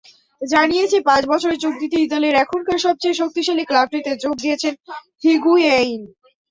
জানিয়েছে, পাঁচ বছরের চুক্তিতে ইতালির এখনকার সবচেয়ে শক্তিশালী ক্লাবটিতে যোগ দিয়েছেন হিগুয়েইন।